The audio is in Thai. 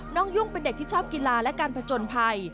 ยุ่งเป็นเด็กที่ชอบกีฬาและการผจญภัย